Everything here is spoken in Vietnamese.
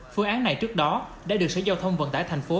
phương án này trước đó đã được sở giao thông vận tải thành phố